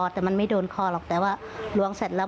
แต่มันไม่โดนคอหรอกแต่ว่าล้วงเสร็จแล้ว